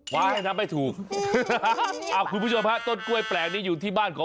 วางให้ทำให้ถูก